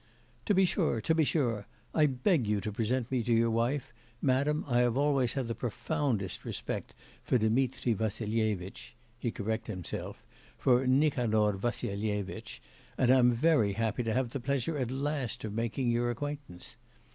'To be sure, to be sure! I beg you to present me to your wife. Madam, I have always had the profoundest respect for Dmitri Vassilyevitch' (he corrected himself) 'for Nikanor Vassilyevitch, and am very happy to have the pleasure at last of making your acquaintance.